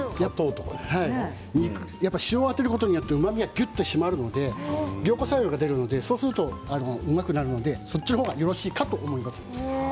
塩をあてることによってうまみがぎゅっと締まるので凝固作用があるのでそっちの方がよろしいかと思います。